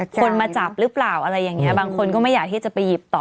คนมาจับหรือเปล่าอะไรอย่างนี้บางคนก็ไม่อยากที่จะไปหยิบต่อ